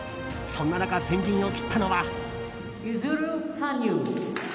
そんな中、先陣を切ったのは。